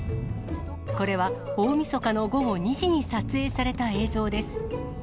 これは大みそかの午後２時に撮影された映像です。